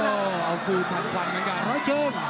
โอ้เอาคืนถัดควันกันกัน